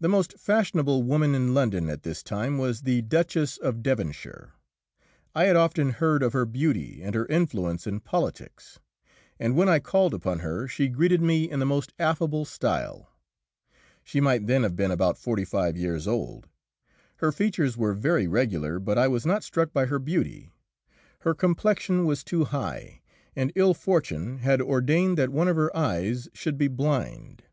The most fashionable woman in London at this time was the Duchess of Devonshire. I had often heard of her beauty and her influence in politics, and when I called upon her she greeted me in the most affable style. She might then have been about forty five years old. Her features were very regular, but I was not struck by her beauty. Her complexion was too high, and ill fortune had ordained that one of her eyes should be blind.